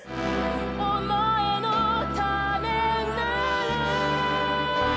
「お前のためなら」